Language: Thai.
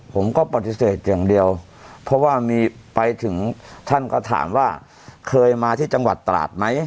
ผมก็ปฏิเสธอย่างเดียวเพราะว่ามีไปถึงท่านก็ถามว่าเคยมาที่จังหวัดตราดไหม